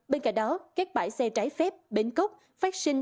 bên cạnh đó các bãi xe trái phép bến cốc phát sinh